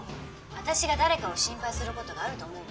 私が誰かを心配することがあると思う？